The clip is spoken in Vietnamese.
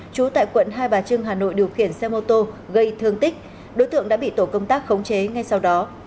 trú tại quận hai bà trưng hà nội điều khiển xe mô tô gây thương tích đối tượng đã bị tổ công tác khống chế ngay sau đó